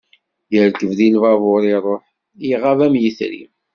Yerkeb di lbabur, iruḥ, iɣab am yetri.